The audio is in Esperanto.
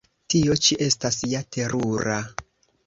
Tio ĉi estas ja terura!